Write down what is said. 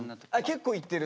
結構行ってる。